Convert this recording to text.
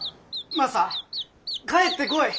マサ帰ってこい！